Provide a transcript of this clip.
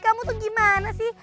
kamu tuh gimana sih